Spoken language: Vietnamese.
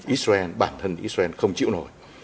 israel bản thân israel không chịu nổi